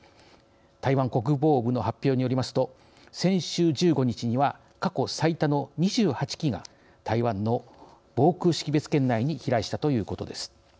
台湾国防部の発表によりますと先週１５日には過去最多の２８機が台湾の防空識別圏内に飛来したということです。